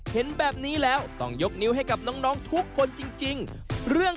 เห็นแบบนี้แล้วต้องยกนิ้วให้กับน้องทุกคนจริงเรื่อง